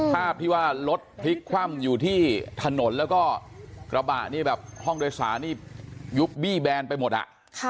ภาพที่ว่ารถพลิกคว่ำอยู่ที่ถนนแล้วก็กระบะนี่แบบห้องโดยสารนี่ยุบบี้แบนไปหมดอ่ะ